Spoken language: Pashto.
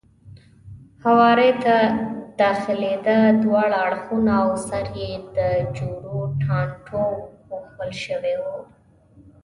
هوارۍ ته داخلېده، دواړه اړخونه او سر یې د جورو ټانټو پوښل شوی و.